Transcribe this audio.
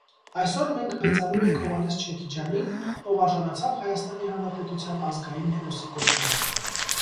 Այսօր մենք մեծարում ենք Հովհաննես Չեքիջյանին, ով արժանացավ Հայաստանի Հանրապետության ազգային հերոսի կոչման։